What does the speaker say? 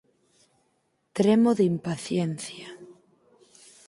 Tremo de impaciencia.